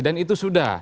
dan itu sudah